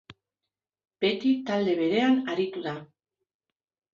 Beti talde berean aritu da.